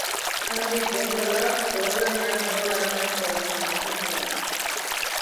Handik berehala ohe gainean nola etzan zen entzun zuen.